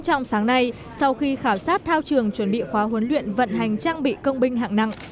trong sáng nay sau khi khảo sát thao trường chuẩn bị khóa huấn luyện vận hành trang bị công binh hạng nặng